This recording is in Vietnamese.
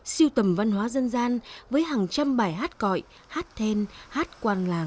siêu tầm văn hóa dân gian với hàng trăm bài hát cõi hát then hát quang làng